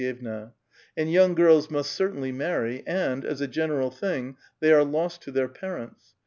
jyevna ; and young girls must certainly marry, and, as a genciral thing, they are lost to their parents.